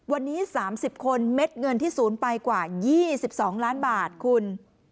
วันนี้๓๐คนเม็ดเงินที่ศูนย์ไปกว่า๒๒ล้านบาทคุณ